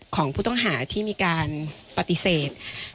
ของผู้ต้องหาที่มีการปฏิเสธ